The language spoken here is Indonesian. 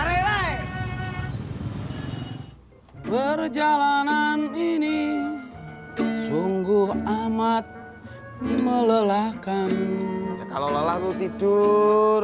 lagi nyanyi nyanyi berjalanan ini sungguh amat melelahkan kalau lalu tidur